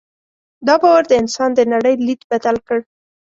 دا باور د انسان د نړۍ لید بدل کړ.